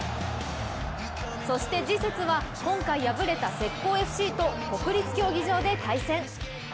そして次節は今回敗れた浙江ＦＣと国立競技場で対戦。